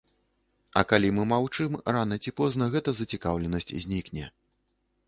А калі мы маўчым, рана ці позна гэта зацікаўленасць знікне.